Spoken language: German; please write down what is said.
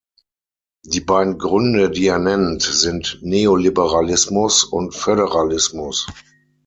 Die beiden Gründe, die er nennt, sind Neoliberalismus und Föderalismus.